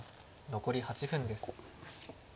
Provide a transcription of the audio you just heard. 残り８分です。